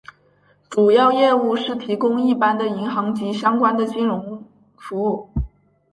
主要业务是提供一般的银行及相关的金融服务。